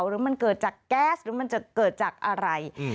หรือมันเกิดจากแก๊สหรือมันจะเกิดจากอะไร